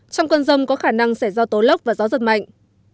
trong cơn rông có khả năng sẽ do tố lốc và gió giật mạnh